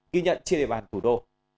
ghi nhận trên đề bàn thủ đô